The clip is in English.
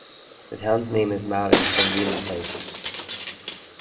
The town's name is Maori for "meeting place".